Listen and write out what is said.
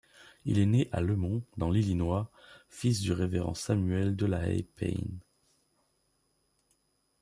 Il est né à Lemont dans l'Illinois, fils du révérend Samuel Delahaye Paine.